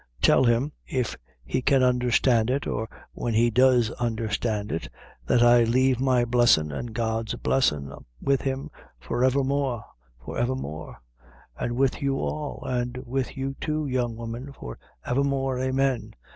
Tell him if he can understand it, or when he does understand it that I lave my blessin' and God's blessin' with him for evermore for evermore: an' with you all; an' with you, too, young woman, for evermore, amen!